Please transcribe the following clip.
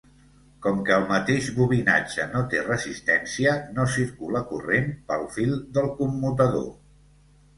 Com que el mateix bobinatge no té resistència, no circula corrent pel fil del commutador.